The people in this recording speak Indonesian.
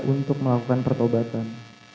untuk melakukan pertobatan